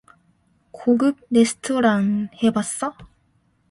고급 레스토랑 해봤어?